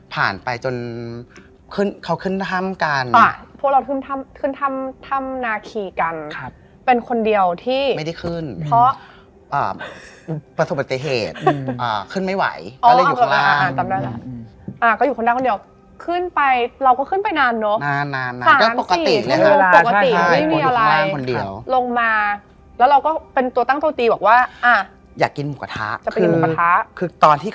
เป็นฝ่ายเทวสัมพันธ์